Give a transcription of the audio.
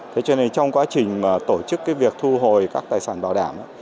thế cho nên trong quá trình tổ chức việc thu hồi các tài sản bảo đảm